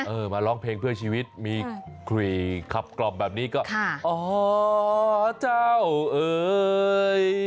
มาร้องเพลงเพื่อชีวิตมีคุยขับกล่อมแบบนี้ก็อ๋อเจ้าเอ่ย